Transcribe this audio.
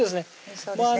そうですね